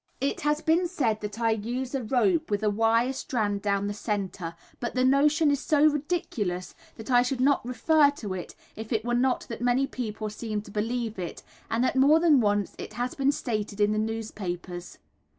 It has been said that I use a rope with a wire strand down the centre, but the notion is so ridiculous that I should not refer to it if it were not that many people seem to believe it, and that more than once it has been stated in the newspapers.